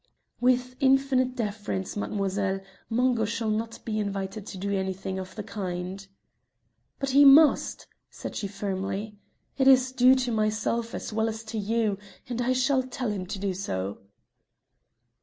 "With infinite deference, mademoiselle, Mungo shall not be invited to do anything of the kind." "But he must," said she firmly. "It is due to myself, as well as to you, and I shall tell him to do so."